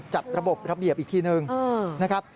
จัดระบบระเบียบอีกทีหนึ่งนะครับ